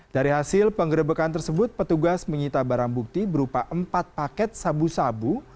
dari hasil penggerebekan tersebut petugas menyita barang bukti berupa empat paket sabu sabu